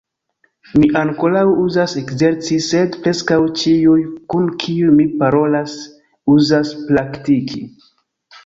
Mi ankoraŭ uzas ekzerci, sed preskaŭ ĉiuj kun kiuj mi parolas uzas praktiki.